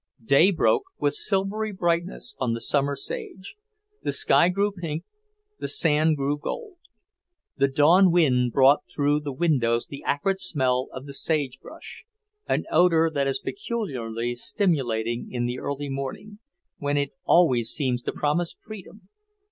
Day broke with silvery brightness on the summer sage. The sky grew pink, the sand grew gold. The dawn wind brought through the windows the acrid smell of the sagebrush: an odour that is peculiarly stimulating in the early morning, when it always seems to promise freedom...